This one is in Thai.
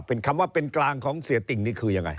เป็นคำว่าเป็นกลางของเสียติ่งนี่คือยังไง